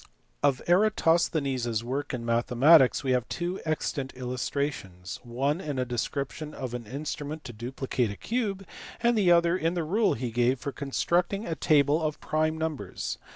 Of Eratosthenes s work in mathematics we have two extant illustrations : one in a description of an instrument to dupli cate a cube, and the other in the rule he gave for constructing a table of prime numbers.